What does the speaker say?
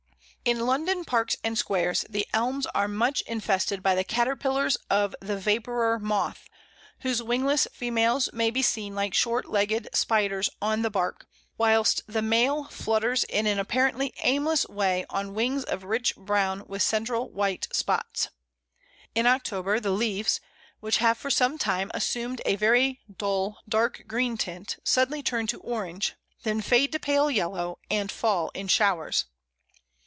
In London parks and squares the Elms are much infested by the caterpillars of the Vapourer moth, whose wingless females may be seen like short legged spiders on the bark, whilst the male flutters in an apparently aimless way on wings of rich brown with central white spots. [Illustration: Pl. 38. Common Elm winter.] In October the leaves, which have for some time assumed a very dull dark green tint, suddenly turn to orange, then fade to pale yellow, and fall in showers.